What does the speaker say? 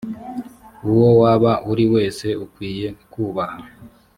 uwo waba uri we wese ukwiye kubaha.